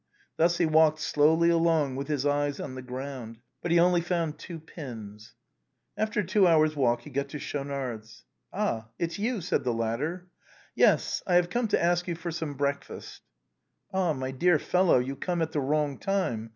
Thus he walked slowly along with his eyes on the ground. But he only found two pins. After a two hours' walk he got to Schaunard's. "Ah, it's you," said the latter. " Yes ; I have come to ask you for some breakfast." "Ah, my dear fellow, you come at the wrong time.